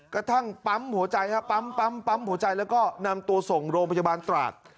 กระทั่งปั๊มหัวใจฮะปั๊มหัวใจแล้วก็นำตัวส่งโรงพยาบาลตราด